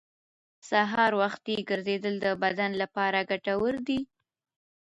سهار وختي ګرځېدل د بدن لپاره ګټور دي